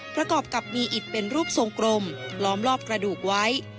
ประกอบกับมีอิดเป็นรูปทรงกลมล้อมรอบกระดูกไว้